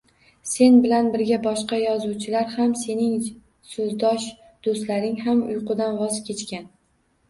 Sen bilan birga boshqa yozuvchilar ham, sening soʻzdosh doʻstlaring ham uyqudan voz kechgan